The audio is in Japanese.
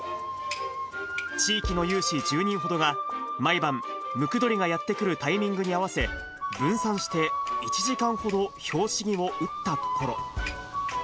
地域の有志１０人ほどが、毎晩、ムクドリがやってくるタイミングに合わせ、分散して、１時間ほど拍子木を打ったところ。